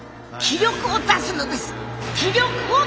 気力を出すのです！